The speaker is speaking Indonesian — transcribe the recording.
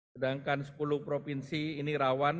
sedangkan sepuluh provinsi ini rawan